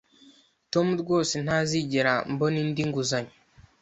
Tom rwose ntazigera mbona indi nguzanyo